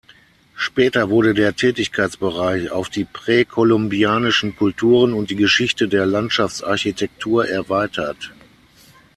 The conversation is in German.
Später wurde der Tätigkeitsbereich auf die präkolumbianischen Kulturen und die Geschichte der Landschaftsarchitektur erweitert.